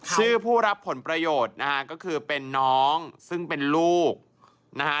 ผู้รับผลประโยชน์นะฮะก็คือเป็นน้องซึ่งเป็นลูกนะฮะ